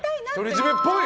独り占めっぽい！